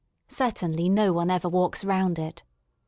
Cer tainly no one ever walks round it.